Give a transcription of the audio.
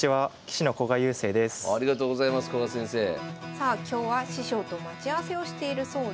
さあ今日は師匠と待ち合わせをしているそうです。